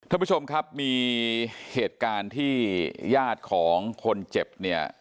ท่านผู้ชมครับมีเหตุการณ์ที่ญาติของคนเจ็บเนี่ย